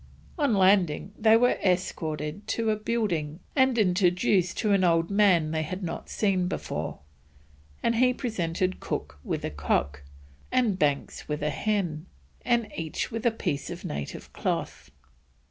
On landing they were escorted to a building and introduced to an old man they had not seen before, and he presented Cook with a cock, and Banks with a hen, and each with a piece of native cloth.